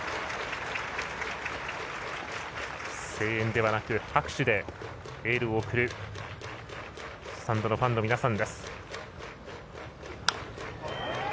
声援ではなく拍手でエールを送るスタンドのファンの皆さんです。